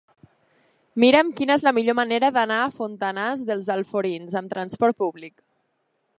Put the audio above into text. Mira'm quina és la millor manera d'anar a Fontanars dels Alforins amb transport públic.